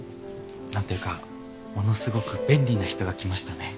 何て言うかものすごく便利な人が来ましたね。